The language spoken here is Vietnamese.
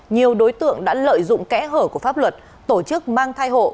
nhiều đối tượng đã lợi dụng kẽ hở của pháp luật tổ chức mang thai hộ